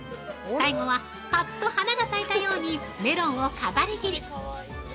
最後はぱっと花が咲いたようにメロンを飾り切り。